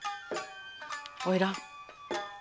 花魁！